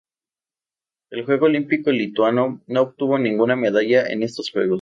El equipo olímpico lituano no obtuvo ninguna medalla en estos Juegos.